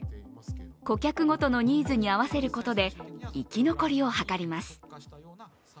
顧客ごとのニーズに合わせることで生き残りを図ります。